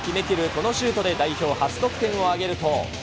このシュートで、代表初得点を挙げると。